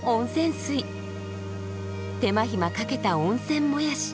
手間暇かけた温泉もやし。